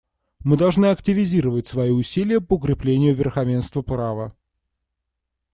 Мы должны активизировать свои усилия по укреплению верховенства права.